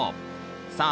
さあ